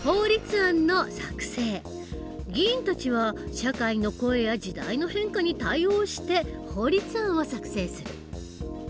議員たちは社会の声や時代の変化に対応して法律案を作成する。